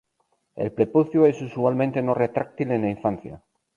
El prepucio es usualmente no retráctil en la infancia.